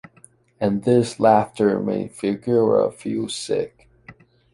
And this laughter made Figura feel sick.